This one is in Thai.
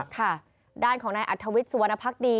ค่ะด้านของนายอัธวิทย์สุวรรณภักดี